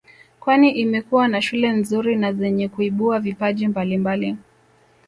Kwani imekuwa na shule nzuri na zenye kuibua vipaji mbalimbali